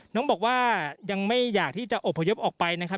น้องบอกว่ายังไม่อยากที่จะอบพยพออกไปนะครับ